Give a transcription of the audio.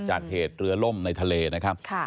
จากเหตุเรือล่มในทะเลนะครับ